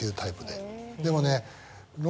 でもね。